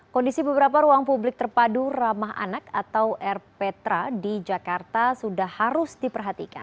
kondisi beberapa ruang publik terpadu ramah anak atau rptra di jakarta sudah harus diperhatikan